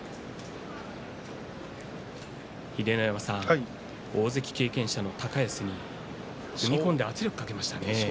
秀ノ山さん、大関経験者の高安に踏み込んで圧力をかけましたね。